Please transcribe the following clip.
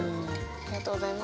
ありがとうございます。